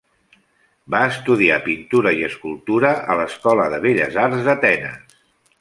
Va estudiar pintura i escultura a l'Escola de Belles Arts d'Atenes.